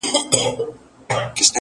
o د دغه ښار ښکلي غزلي خیالوري غواړي؛